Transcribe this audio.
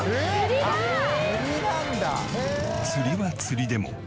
釣りは釣りでも。